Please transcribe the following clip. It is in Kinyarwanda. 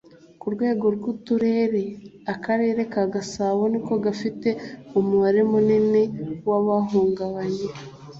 ku rwego rw uturere akarere ka gasabo niko gafite umubare munini w abahungabanye